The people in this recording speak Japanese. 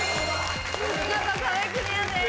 見事壁クリアです。